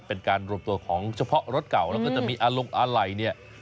เป็นการรวมตัวของเฉพาะรถเก่าแล้วก็จะมีอาลงอะไหล่เนี่ย